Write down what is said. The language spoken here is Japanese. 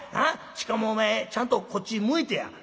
しかもお前ちゃんとこっち向いてや。